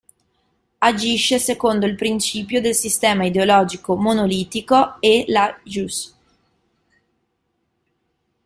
Agisce secondo il principio del sistema ideologico monolitico e la Juche.